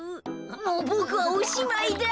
もうボクはおしまいだ。